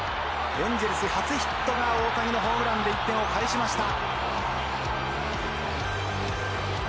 エンジェルス初ヒットが大谷のホームランで１点を返しました。